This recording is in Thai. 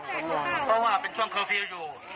เพราะว่าเป็นช่วงเคอร์ฟิลล์อยู่